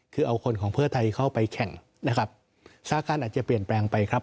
คือเอาคนของเพื่อไทยเข้าไปแข่งนะครับสาการอาจจะเปลี่ยนแปลงไปครับ